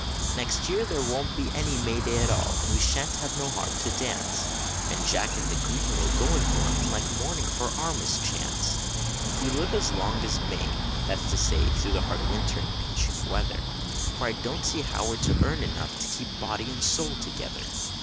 Next year there won't be any May day at all, we shan't have no heart to dance, And Jack in the Green will go in black like mourning for our mischance; If we live as long as May, that's to say, through the hard winter and pinching weather, For I don't see how we're to earn enough to keep body and soul together.